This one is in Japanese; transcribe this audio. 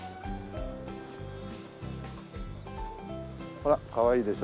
ほらかわいいでしょ。